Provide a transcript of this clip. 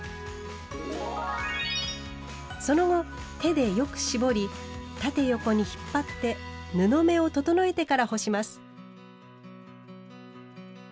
その後手でよく絞り縦横に引っ張って布目を整えてから干します。